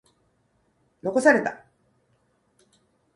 残された。